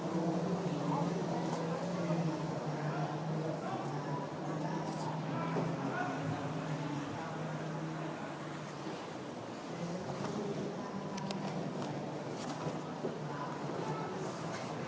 ขอบคุณครับ